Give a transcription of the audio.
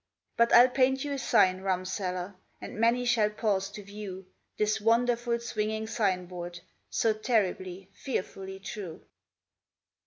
But I'll paint you a sign, rumseller, And many shall pause to view This wonderful swinging signboard, So terribly, fearfully true.